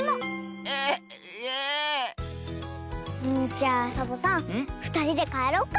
じゃあサボさんふたりでかえろっか。